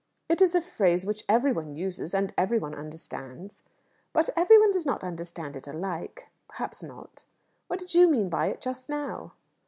"It is a phrase which every one uses, and every one understands." "But every one does not understand it alike." "Perhaps not." "What did you mean by it, just now?"